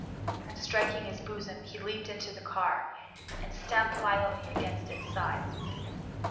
^ and, striking his boson), he leaped into the car, and stamped vio lently against its sides.